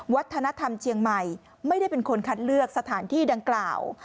วัฒนธรรมเชียงใหม่ไม่ได้เป็นคนคัดเลือกสถานที่ดังกล่าว